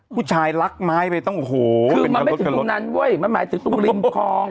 ผู้ชายลักไม้ไปต้องโอ้โหคือมันไม่ถึงตรงนั้นเว้ยมันหมายถึงตรงริมคลอง